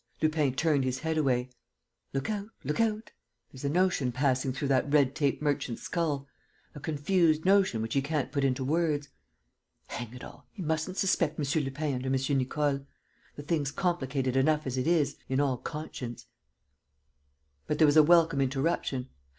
Lupin turned his head away. "Look out!... Look out!... There's a notion passing through that red tape merchant's skull: a confused notion which he can't put into words. Hang it all, he mustn't suspect M. Lupin under M. Nicole! The thing's complicated enough as it is, in all conscience!..." But there was a welcome interruption.